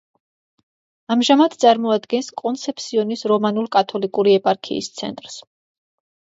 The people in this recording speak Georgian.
ამჟამად წარმოადგენს კონსეფსიონის რომანულ-კათოლიკური ეპარქიის ცენტრს.